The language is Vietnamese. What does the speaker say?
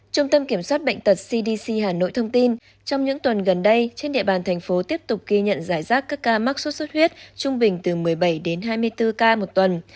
trung tâm kiểm soát bệnh tật cdc hà nội thông tin trong những tuần gần đây trên địa bàn thành phố tiếp tục ghi nhận giải rác các ca mắc sốt xuất huyết trung bình từ một mươi bảy đến hai mươi bốn ca một tuần